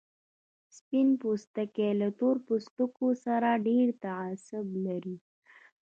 سپين پوستي له تور پوستو سره ډېر تعصب لري.